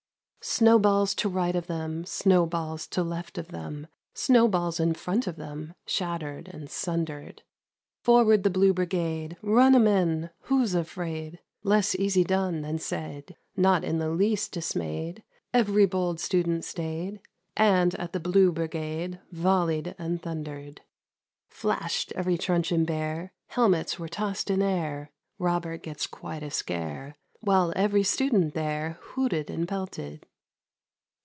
.'■'nowballs to right of them, Snowballs to left of them, i^nowballs in front of iheni, .Shattered and sundered. " Forward the Blue Brigade ! Run 'em in ! Who's afraid ?" Less easy done than said: Not in the least dismayed. Every bold student stayed. And at the Blue Brigade Volleyed and thundered. Flashed every truncheon bare. Helmets were tossed in air, Robert gets quite a scare. While every student there Hooted and pelted.